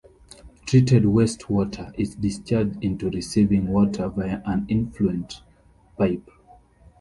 Treated wastewater is discharged into receiving water via an effluent pipe.